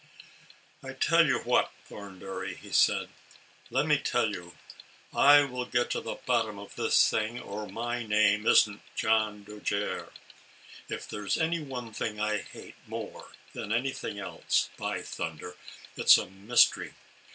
" I tell you what, Thornbury," he said, " le' me tell you, I will get to the bottom of this thing, or my name isn't John Dojere. If there is any one thing I hate more than anything else, by thun der, it's a mystery